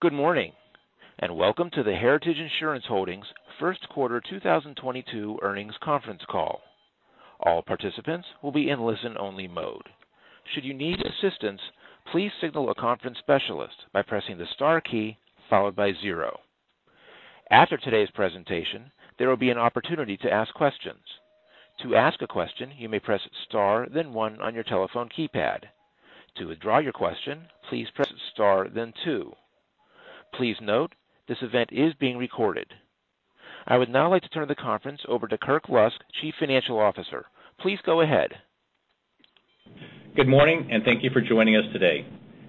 Good morning, and welcome to the Heritage Insurance Holdings First Quarter 2022 Earnings Conference Call. All participants will be in listen-only mode. Should you need assistance, please signal a conference specialist by pressing the star key followed by zero. After today's presentation, there will be an opportunity to ask questions. To ask a question, you may press star then one on your telephone keypad. To withdraw your question, please press star then two. Please note, this event is being recorded. I would now like to turn the conference over to Kirk Lusk, Chief Financial Officer. Please go ahead. Good morning, and thank you for joining us today.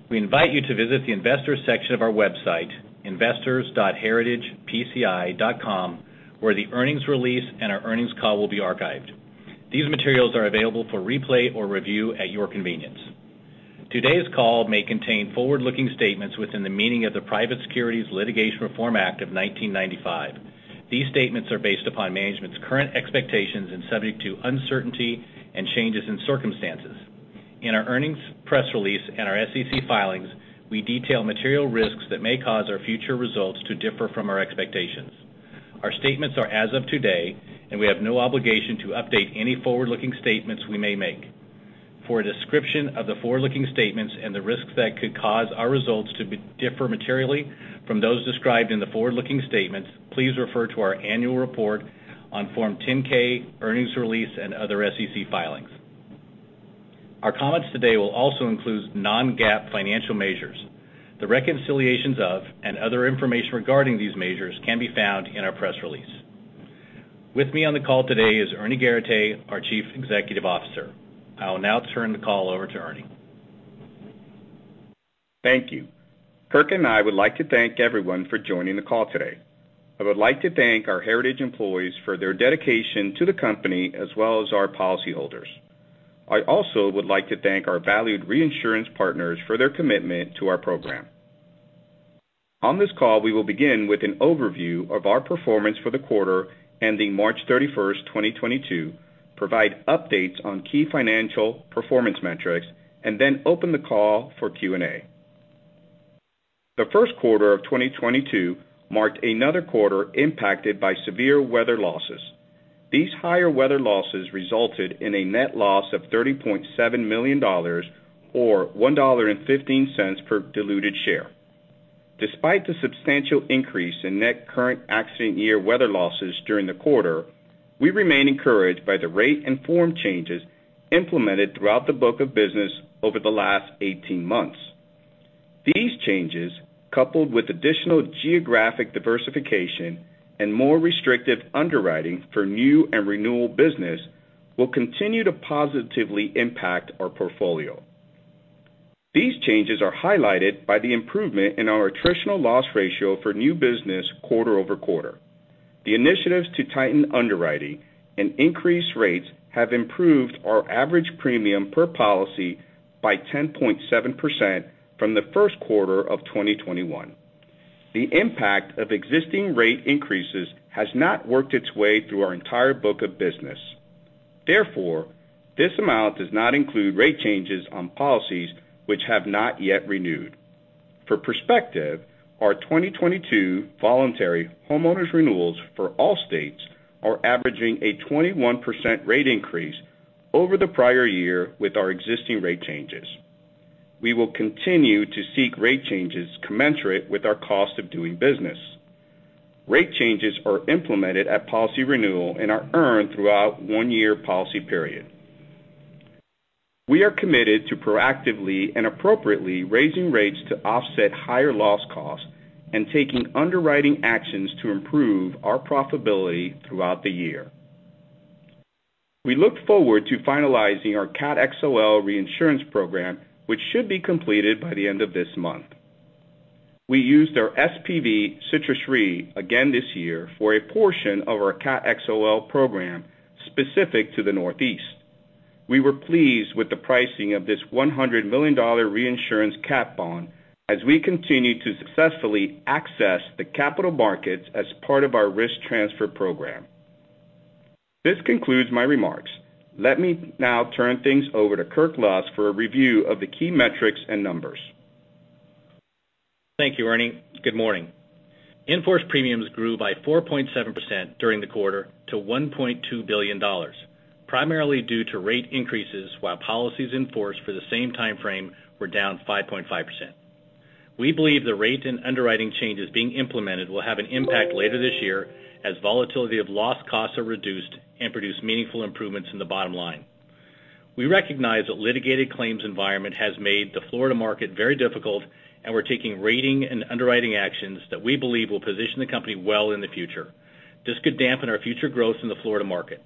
We invite you to visit the investors section of our website, investors.heritagepci.com, where the earnings release and our earnings call will be archived. These materials are available for replay or review at your convenience. Today's call may contain forward-looking statements within the meaning of the Private Securities Litigation Reform Act of 1995. These statements are based upon management's current expectations and subject to uncertainty and changes in circumstances. In our earnings press release and our SEC filings, we detail material risks that may cause our future results to differ from our expectations. Our statements are as of today, and we have no obligation to update any forward-looking statements we may make. For a description of the forward-looking statements and the risks that could cause our results to differ materially from those described in the forward-looking statements, please refer to our annual report on Form 10-K earnings release and other SEC filings. Our comments today will also include non-GAAP financial measures. The reconciliations of, and other information regarding these measures can be found in our press release. With me on the call today is Ernie Garateix, our Chief Executive Officer. I will now turn the call over to Ernie. Thank you. Kirk and I would like to thank everyone for joining the call today. I would like to thank our Heritage employees for their dedication to the company as well as our policyholders. I also would like to thank our valued reinsurance partners for their commitment to our program. On this call, we will begin with an overview of our performance for the quarter ending March 31st, 2022, provide updates on key financial performance metrics, and then open the call for Q&A. The first quarter of 2022 marked another quarter impacted by severe weather losses. These higher weather losses resulted in a net loss of $30.7 million or $1.15 per diluted share. Despite the substantial increase in net current accident year weather losses during the quarter, we remain encouraged by the rate and form changes implemented throughout the book of business over the last 18 months. These changes, coupled with additional geographic diversification and more restrictive underwriting for new and renewal business, will continue to positively impact our portfolio. These changes are highlighted by the improvement in our attritional loss ratio for new business quarter over quarter. The initiatives to tighten underwriting and increase rates have improved our average premium per policy by 10.7% from the first quarter of 2021. The impact of existing rate increases has not worked its way through our entire book of business. Therefore, this amount does not include rate changes on policies which have not yet renewed. For perspective, our 2022 voluntary homeowners renewals for all states are averaging a 21% rate increase over the prior year with our existing rate changes. We will continue to seek rate changes commensurate with our cost of doing business. Rate changes are implemented at policy renewal and are earned throughout one-year policy period. We are committed to proactively and appropriately raising rates to offset higher loss costs and taking underwriting actions to improve our profitability throughout the year. We look forward to finalizing our Cat XOL reinsurance program, which should be completed by the end of this month. We used our SPV Citrus Re again this year for a portion of our Cat XOL program specific to the Northeast. We were pleased with the pricing of this $100 million reinsurance Cat bond as we continue to successfully access the capital markets as part of our risk transfer program. This concludes my remarks. Let me now turn things over to Kirk Lusk for a review of the key metrics and numbers. Thank you, Ernie. Good morning. In force premiums grew by 4.7% during the quarter to $1.2 billion, primarily due to rate increases, while policies in force for the same time frame were down 5.5%. We believe the rate and underwriting changes being implemented will have an impact later this year as volatility of loss costs are reduced and produce meaningful improvements in the bottom line. We recognize the litigated claims environment has made the Florida market very difficult, and we're taking rating and underwriting actions that we believe will position the company well in the future. This could dampen our future growth in the Florida market.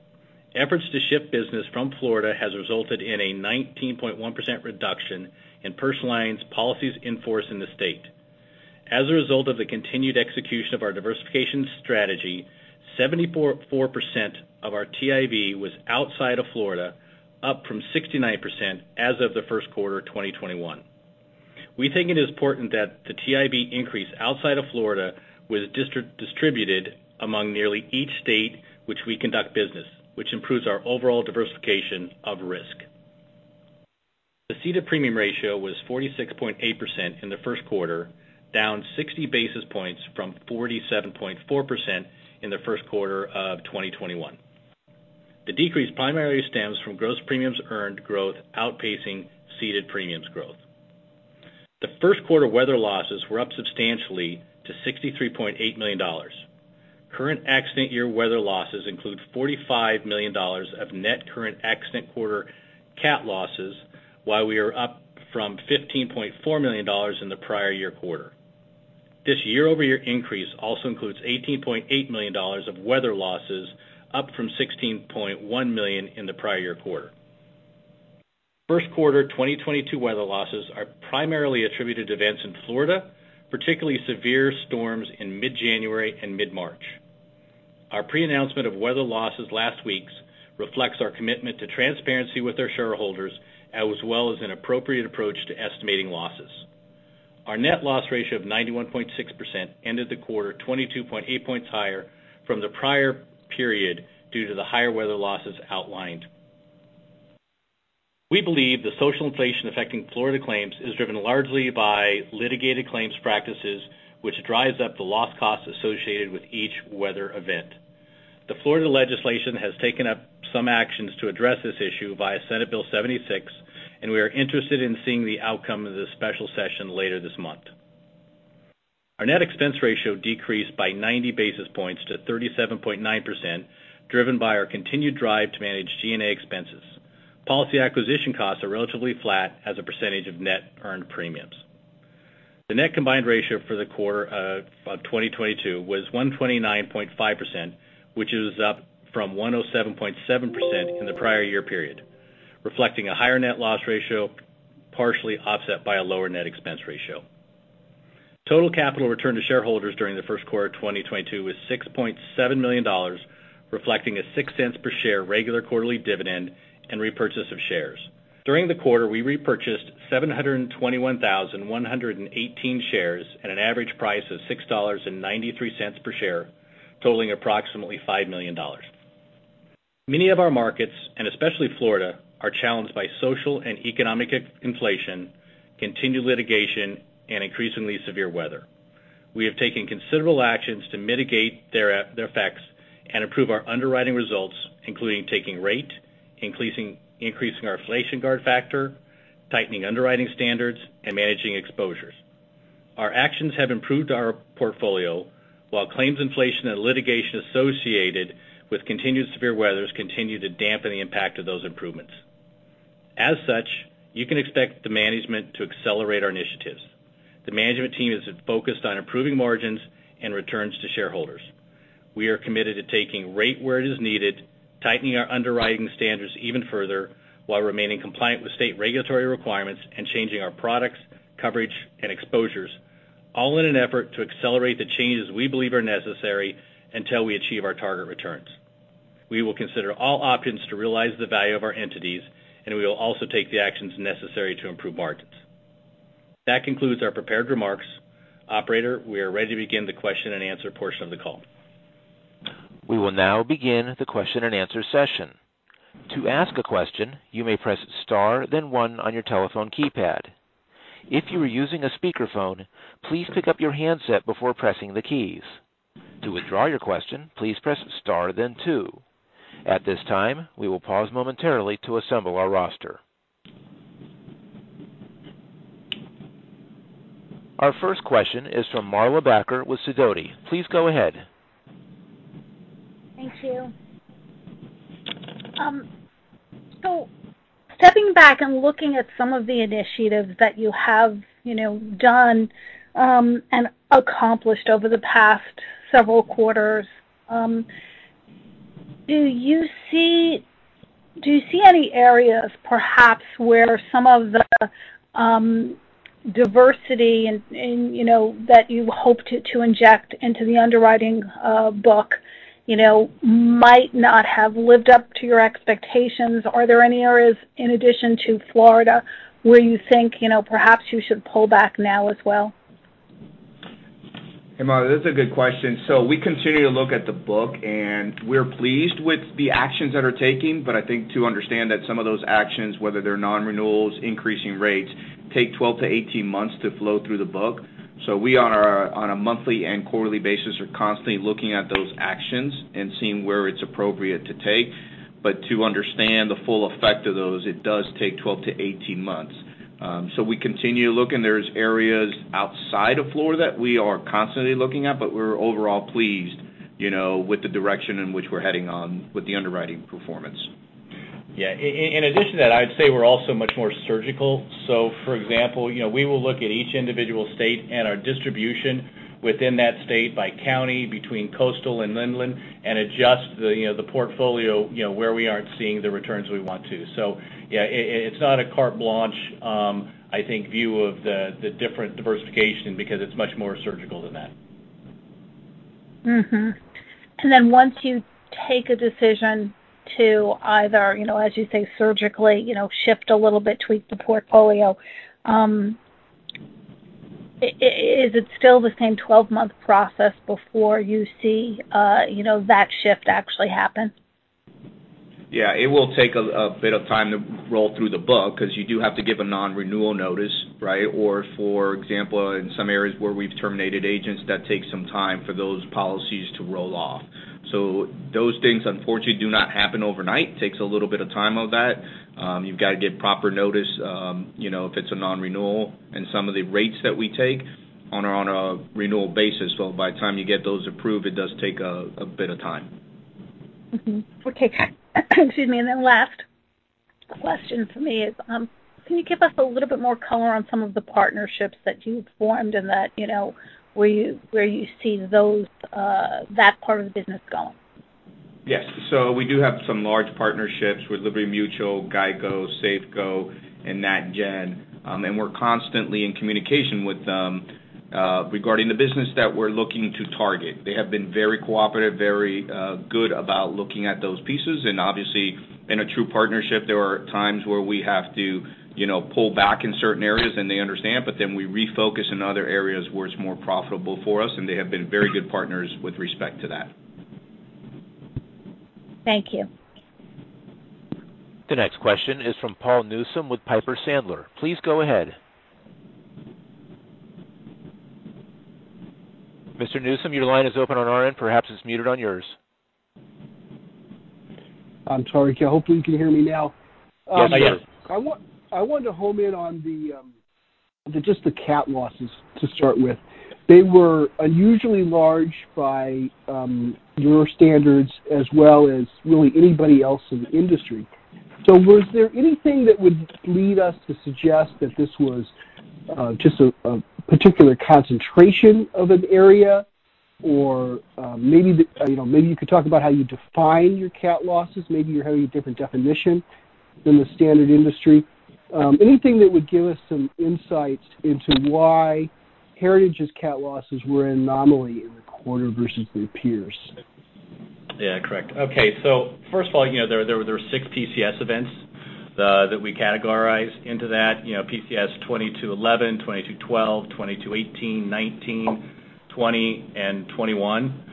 Efforts to shift business from Florida has resulted in a 19.1% reduction in personal lines policies in force in the state. As a result of the continued execution of our diversification strategy, 74% of our TIV was outside of Florida, up from 69% as of the first quarter of 2021. We think it is important that the TIV increase outside of Florida was distributed among nearly each state which we conduct business, which improves our overall diversification of risk. The ceded premium ratio was 46.8% in the first quarter, down 60 basis points from 47.4% in the first quarter of 2021. The decrease primarily stems from gross premiums earned growth outpacing ceded premiums growth. The first quarter weather losses were up substantially to $63.8 million. Current accident year weather losses include $45 million of net current accident year Cat losses, which were up from $15.4 million in the prior year quarter. This year-over-year increase also includes $18.8 million of weather losses, up from $16.1 million in the prior year quarter. First quarter 2022 weather losses are primarily attributed to events in Florida, particularly severe storms in mid-January and mid-March. Our pre-announcement of weather losses last week reflects our commitment to transparency with our shareholders, as well as an appropriate approach to estimating losses. Our net loss ratio of 91.6% ended the quarter 22.8 points higher from the prior period due to the higher weather losses outlined. We believe the social inflation affecting Florida claims is driven largely by litigated claims practices, which drives up the loss costs associated with each weather event. The Florida legislation has taken up some actions to address this issue via Senate Bill 76, and we are interested in seeing the outcome of the special session later this month. Our net expense ratio decreased by 90 basis points to 37.9%, driven by our continued drive to manage G&A expenses. Policy acquisition costs are relatively flat as a percentage of net earned premiums. The net combined ratio for the quarter of 2022 was 129.5%, which is up from 107.7% in the prior year period, reflecting a higher net loss ratio, partially offset by a lower net expense ratio. Total capital return to shareholders during the first quarter of 2022 was $6.7 million, reflecting a $0.06 per share regular quarterly dividend and repurchase of shares. During the quarter, we repurchased 721,118 shares at an average price of $6.93 per share, totaling approximately $5 million. Many of our markets, and especially Florida, are challenged by social and economic inflation, continued litigation, and increasingly severe weather. We have taken considerable actions to mitigate their effects and improve our underwriting results, including taking rate, increasing our inflation guard factor, tightening underwriting standards and managing exposures. Our actions have improved our portfolio, while claims inflation and litigation associated with continued severe weather continue to dampen the impact of those improvements. As such, you can expect the management to accelerate our initiatives. The management team is focused on improving margins and returns to shareholders. We are committed to taking rate where it is needed, tightening our underwriting standards even further while remaining compliant with state regulatory requirements and changing our products, coverage, and exposures, all in an effort to accelerate the changes we believe are necessary until we achieve our target returns. We will consider all options to realize the value of our entities, and we will also take the actions necessary to improve margins. That concludes our prepared remarks. Operator, we are ready to begin the question-and-answer portion of the call. We will now begin the question-and-answer session. To ask a question, you may press star then one on your telephone keypad. If you are using a speakerphone, please pick up your handset before pressing the keys. To withdraw your question, please press star then two. At this time, we will pause momentarily to assemble our roster. Our first question is from Marla Backer with Sidoti. Please go ahead. Thank you. Stepping back and looking at some of the initiatives that you have, you know, done and accomplished over the past several quarters, do you see any areas perhaps where some of the diversity and you know that you hoped to inject into the underwriting book you know might not have lived up to your expectations? Are there any areas in addition to Florida where you think you know perhaps you should pull back now as well? Hey, Marla, that's a good question. We continue to look at the book, and we're pleased with the actions that are taking. I think to understand that some of those actions, whether they're non-renewals, increasing rates, take 12-18 months to flow through the book. We on a monthly and quarterly basis are constantly looking at those actions and seeing where it's appropriate to take. To understand the full effect of those, it does take 12-18 months. We continue to look, and there's areas outside of Florida that we are constantly looking at, but we're overall pleased, you know, with the direction in which we're heading on with the underwriting performance. Yeah. In addition to that, I'd say we're also much more surgical. For example, you know, we will look at each individual state and our distribution within that state by county between coastal and inland and adjust the, you know, the portfolio, you know, where we aren't seeing the returns we want to. Yeah, it's not a carte blanche, I think view of the different diversification because it's much more surgical than that. Mm-hmm. Once you take a decision to either, you know, as you say, surgically, you know, shift a little bit, tweak the portfolio, is it still the same 12-month process before you see, you know, that shift actually happen? Yeah, it will take a bit of time to roll through the book because you do have to give a non-renewal notice, right? For example, in some areas where we've terminated agents, that takes some time for those policies to roll off. Those things unfortunately do not happen overnight. It takes a little bit of time for that. You've got to give proper notice, you know, if it's a non-renewal. Some of the rates that we take on are on a renewal basis. By the time you get those approved, it does take a bit of time. Mm-hmm. Okay. Excuse me. Last question for me is, can you give us a little bit more color on some of the partnerships that you've formed and that, you know, where you see those, that part of the business going? Yes. We do have some large partnerships with Liberty Mutual, GEICO, Safeco and NatGen. We're constantly in communication with them regarding the business that we're looking to target. They have been very cooperative, very good about looking at those pieces. Obviously, in a true partnership, there are times where we have to, you know, pull back in certain areas, and they understand, but then we refocus in other areas where it's more profitable for us, and they have been very good partners with respect to that. Thank you. The next question is from Paul Newsome with Piper Sandler. Please go ahead. Mr. Newsome, your line is open on our end. Perhaps it's muted on yours. I'm sorry. Hope you can hear me now. Yes, I can. I want to home in on just the Cat losses to start with. They were unusually large by your standards as well as really anybody else in the industry. Was there anything that would lead us to suggest that this was just a particular concentration of an area? Or, maybe you know, maybe you could talk about how you define your Cat losses. Maybe you're having a different definition than the standard industry. Anything that would give us some insights into why Heritage's Cat losses were an anomaly in the quarter versus their peers. Yeah, correct. Okay. First of all, you know, there were six PCS events that we categorize into that. You know, PCS 2211, 2212, 2218, 2219, 2220, and 2221.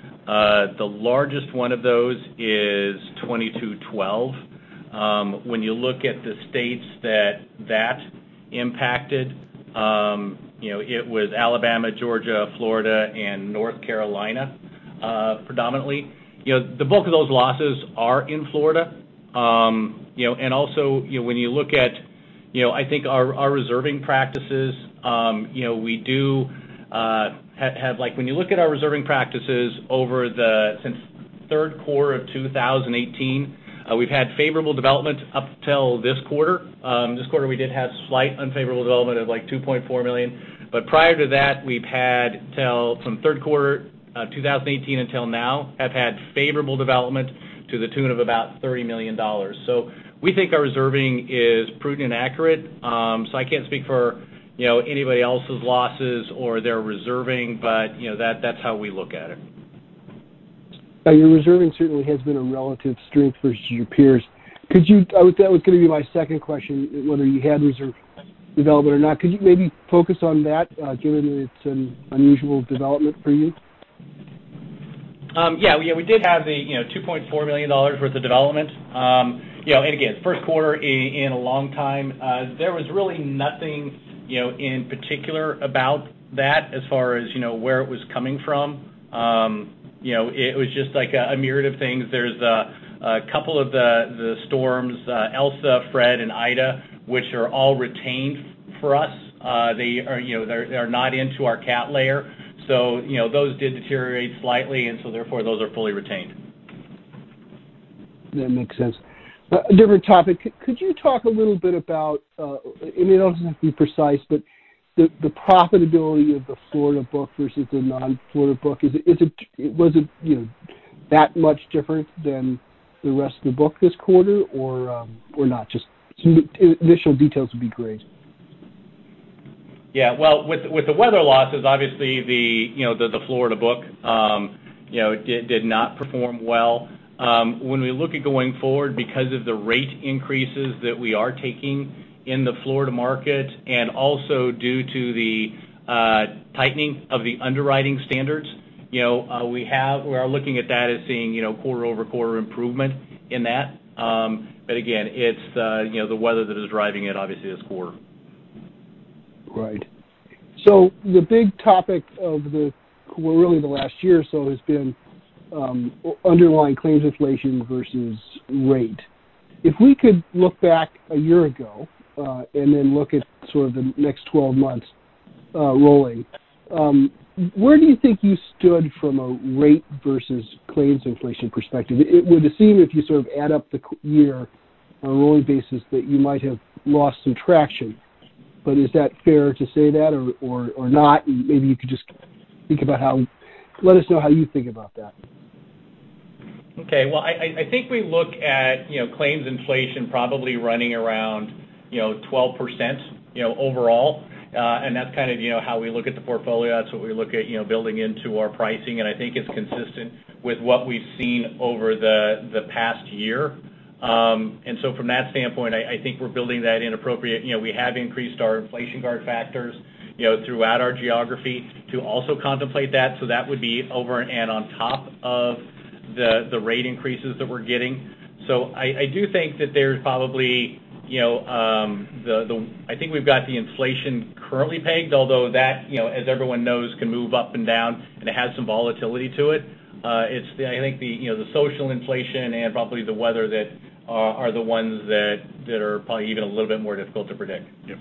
The largest one of those is 2212. When you look at the states that that impacted, you know, it was Alabama, Georgia, Florida, and North Carolina, predominantly. You know, the bulk of those losses are in Florida. You know, and also, you know, when you look at, you know, I think our reserving practices, you know, we do have, like when you look at our reserving practices since third quarter of 2018, we've had favorable developments up till this quarter. This quarter we did have slight unfavorable development of, like, $2.4 million. Prior to that, we've had, from third quarter 2018 until now, favorable development to the tune of about $30 million. We think our reserving is prudent and accurate. I can't speak for, you know, anybody else's losses or their reserving, but you know, that's how we look at it. Yeah, your reserving certainly has been a relative strength versus your peers. That was gonna be my second question, whether you had reserve development or not. Could you maybe focus on that, given that it's an unusual development for you? We did have the, you know, $2.4 million worth of development. You know, and again, first quarter in a long time. There was really nothing, you know, in particular about that as far as, you know, where it was coming from. You know, it was just like a myriad of things. There's a couple of the storms, Elsa, Fred, and Ida, which are all retained for us. They are not into our Cat layer. So, you know, those did deteriorate slightly, and so therefore, those are fully retained. That makes sense. A different topic. Could you talk a little bit about, and it doesn't have to be precise, but the profitability of the Florida book versus the non-Florida book. Was it that much different than the rest of the book this quarter or not? Just some initial details would be great. Yeah. Well, with the weather losses obviously, you know, the Florida book did not perform well. When we look at going forward, because of the rate increases that we are taking in the Florida market and also due to the tightening of the underwriting standards, you know, we are looking at that as seeing, you know, quarter-over-quarter improvement in that. Again, it's the weather that is driving it obviously this quarter. Right. The big topic, well, really the last year or so has been underlying claims inflation versus rate. If we could look back a year ago and then look at sort of the next 12 months rolling, where do you think you stood from a rate versus claims inflation perspective? It would seem if you sort of add up the year on a rolling basis that you might have lost some traction. Is that fair to say that or not? Maybe you could just let us know how you think about that. Okay. Well, I think we look at, you know, claims inflation probably running around, you know, 12%, you know, overall. That's kind of, you know, how we look at the portfolio. That's what we look at, you know, building into our pricing, and I think it's consistent with what we've seen over the past year. From that standpoint, I think we're building that appropriately. You know, we have increased our inflation guard factors, you know, throughout our geography to also contemplate that. That would be over and on top of the rate increases that we're getting. I do think that there's probably, you know, the inflation currently pegged, although that, you know, as everyone knows, can move up and down, and it has some volatility to it. I think, you know, the social inflation and probably the weather that are the ones that are probably even a little bit more difficult to predict. Yeah.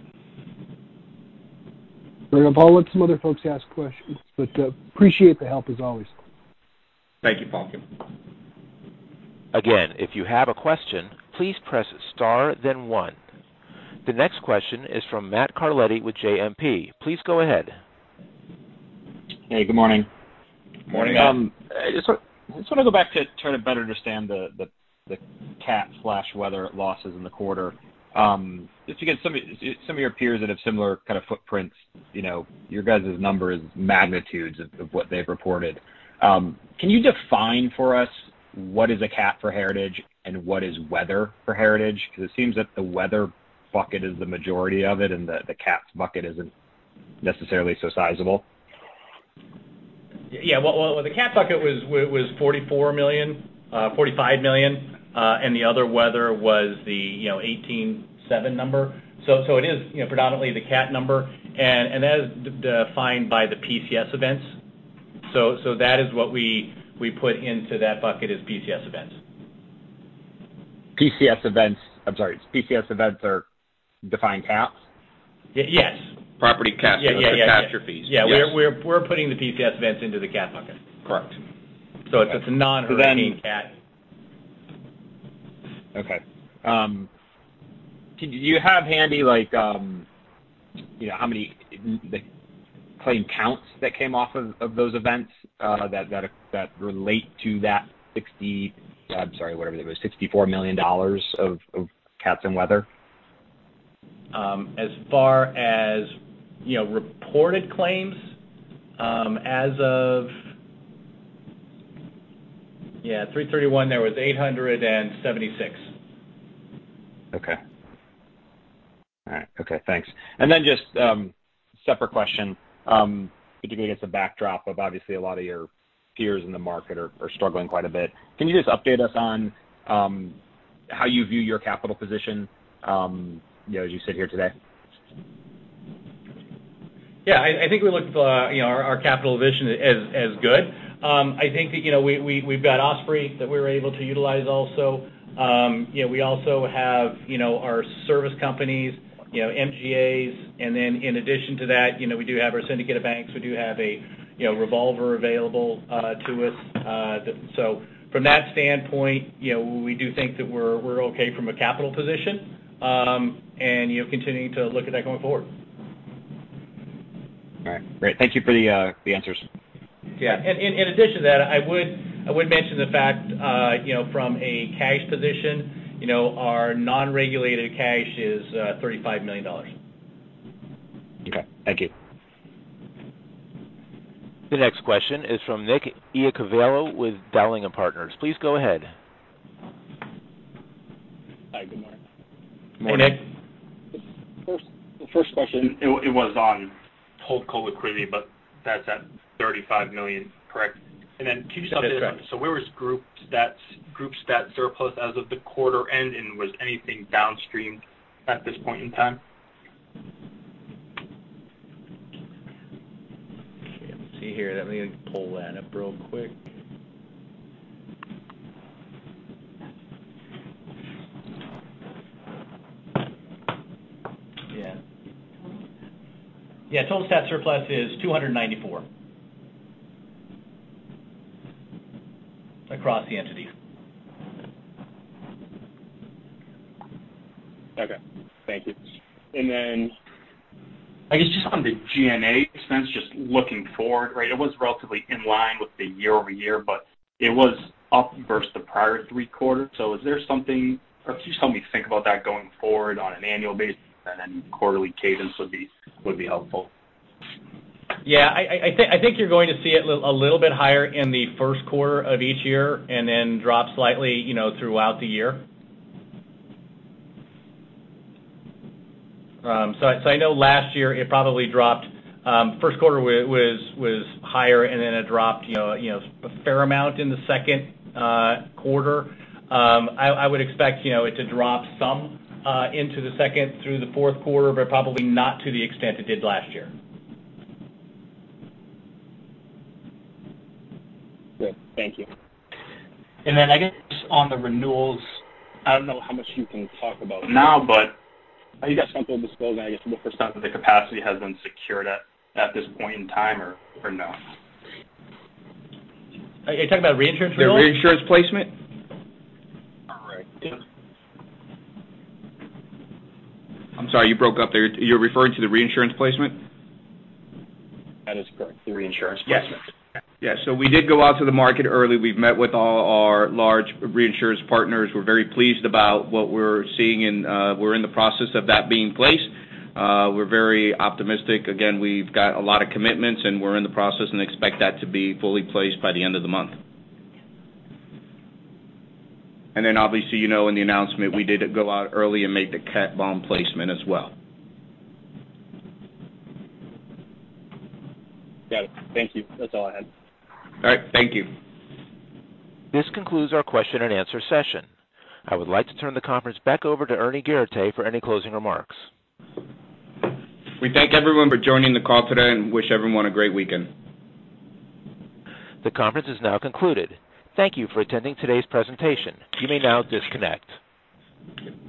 Great. Well, I'll let some other folks ask questions, but, appreciate the help as always. Thank you, Paul. Again, if you have a question, please press star then one. The next question is from Matt Carletti with JMP. Please go ahead. Hey, good morning. Morning. Just want to go back to try to better understand the Cat/weather losses in the quarter. Just again, some of your peers that have similar kind of footprints, you know, your guys' number is magnitudes of what they've reported. Can you define for us what is a Cat for Heritage and what is weather for Heritage? 'Cause it seems that the weather bucket is the majority of it and the Cat's bucket isn't necessarily so sizable. Well, the Cat bucket was $44 million-$45 million, and the other weather was the, you know, $18.7 million number. It is, you know, predominantly the Cat number and that is defined by the PCS events. That is what we put into that bucket is PCS events. I'm sorry. PCS events are defined Cats? Yes. Property Cats Yeah, yeah. Catastrophes. Yeah. Yes. We're putting the PCS events into the Cat bucket. Correct. It's a non-hurricane Cat. Do you have handy like, you know, how many the claim counts that came off of those events that relate to that $64 million of Cats and weather? As far as, you know, reported claims, as of 3/31, there was 876. Okay. All right. Okay, thanks. Then just separate question, particularly as a backdrop of obviously a lot of your peers in the market are struggling quite a bit. Can you just update us on how you view your capital position, you know, as you sit here today? Yeah, I think we look for you know our capital position as good. I think that you know we've got Osprey that we're able to utilize also. You know we also have you know our service companies you know MGAs. Then in addition to that you know we do have our syndicated banks. We do have a you know revolver available to us. So from that standpoint you know we do think that we're okay from a capital position and you know continuing to look at that going forward. All right. Great. Thank you for the answers. Yeah. In addition to that, I would mention the fact, you know, from a cash position, you know, our non-regulated cash is $35 million. Okay. Thank you. The next question is from Nicholas Iacoviello with Dowling & Partners. Please go ahead. Hi. Good morning. Morning, Nick. First, the first question, it was on HoldCo with equity, but that's at $35 million, correct? Then can you just update us- That's correct. Where was group stat surplus as of quarter end, and was anything downstreamed at this point in time? Let's see here. Let me pull that up real quick. Yeah. Yeah, total stat surplus is $294 across the entities. Okay. Thank you. Then I guess just on the G&A expense, just looking forward, right? It was relatively in line with the year-over-year, but it was up versus the prior three quarters. Is there something or can you just help me think about that going forward on an annual basis, and then quarterly cadence would be helpful. Yeah. I think you're going to see it a little bit higher in the first quarter of each year and then drop slightly, you know, throughout the year. I know last year it probably dropped, first quarter was higher, and then it dropped, you know, a fair amount in the second quarter. I would expect, you know, it to drop some into the second through the fourth quarter, but probably not to the extent it did last year. Good. Thank you. I guess on the renewals, I don't know how much you can talk about now, but have you guys gone through the proposal, I guess, or the first time that the capacity has been secured at this point in time or no? Are you talking about reinsurance renewals? The reinsurance placement? Correct. I'm sorry, you broke up there. You're referring to the reinsurance placement? That is correct. The reinsurance placement. Yes. Yeah. We did go out to the market early. We've met with all our large reinsurance partners. We're very pleased about what we're seeing and, we're in the process of that being placed. We're very optimistic. Again, we've got a lot of commitments, and we're in the process and expect that to be fully placed by the end of the month. Then obviously, you know in the announcement, we did go out early and make the Cat bond placement as well. Got it. Thank you. That's all I had. All right. Thank you. This concludes our question and answer session. I would like to turn the conference back over to Ernie Garateix for any closing remarks. We thank everyone for joining the call today and wish everyone a great weekend. The conference is now concluded. Thank you for attending today's presentation. You may now disconnect.